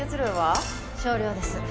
少量です。